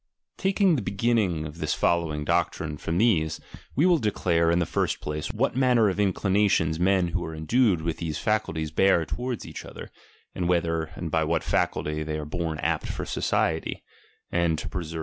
Taking the beginning of this fol lowing doctrine from these, we will declare, in We first place, what manner of inclinations men who are endued with these faculties bear towards each other, and whether, and by what faculty wey are born apt for society, and to preserve VOL.